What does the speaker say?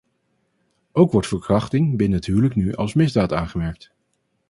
Ook wordt verkrachting binnen het huwelijk nu als misdaad aangemerkt.